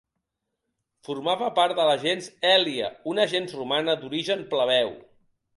Formava part de la gens Èlia, una gens romana d'origen plebeu.